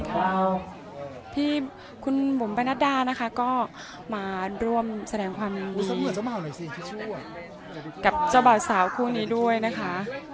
เพราะฉะนั้นผมไปนัดด้านนะคะก็มาร่วมแสดงความดีกับเจ้าบ่าวสาวคู่นี้ด้วยนะคะ